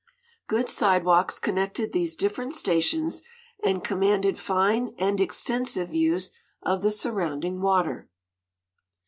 Good sidewalks connected these different stations and commanded fine and extensive views of the surrounding water.